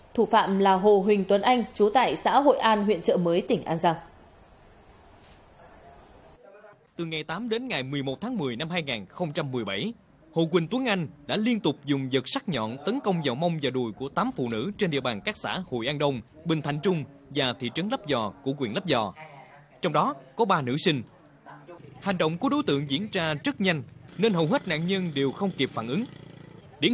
thủ phạm là hồ huỳnh tuấn anh trú tại xã hội an huyện chợ mới tỉnh an giang